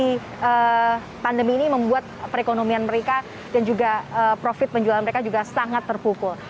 jadi pandemi ini membuat perekonomian mereka dan juga profit penjualan mereka juga sangat terpukul